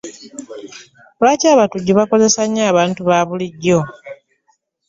Lwaki abatujju bakozesa nnyo abantu babulijjo?